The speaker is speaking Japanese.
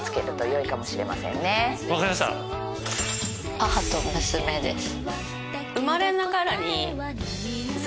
母と娘です。